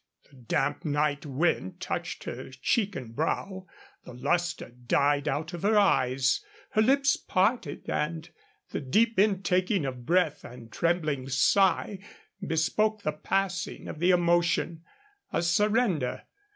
The damp night wind touched her cheek and brow, the luster died out of her eyes, her lips parted, and the deep intaking of breath and trembling sigh bespoke the passing of the emotion a surrender.